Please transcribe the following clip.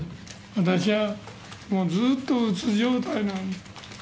私はずっとうつ状態なんです。